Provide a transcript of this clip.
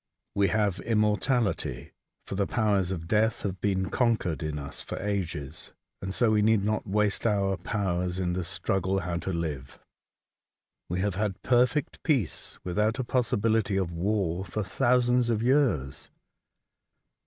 We have immortality, for the powers of death have been conquered in us for ages, and so we need not waste our powers in the struggle how to live. We have had perfect peace, without a possibility of war, for thousands of years.